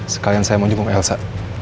sekalian saya mau jukung elsa